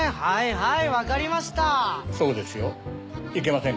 はい？